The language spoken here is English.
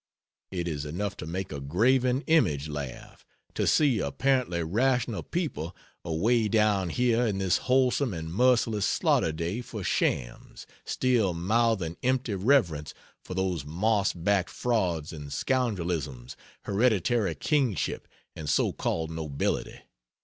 It is enough to make a graven image laugh, to see apparently rational people, away down here in this wholesome and merciless slaughter day for shams, still mouthing empty reverence for those moss backed frauds and scoundrelisms, hereditary kingship and so called "nobility."